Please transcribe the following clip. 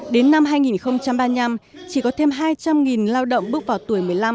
đến năm hai nghìn ba mươi năm chỉ có thêm hai trăm linh lao động bước vào tuổi một mươi năm